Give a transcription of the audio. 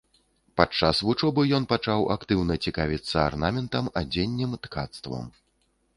Падчас вучобы ён пачаў актыўна цікавіцца арнаментам, адзеннем, ткацтвам.